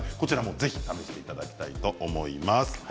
ぜひ試していただきたいと思います。